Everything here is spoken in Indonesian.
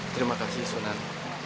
terima kasih sunan